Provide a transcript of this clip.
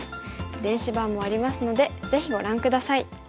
電子版もありますのでぜひご覧下さい。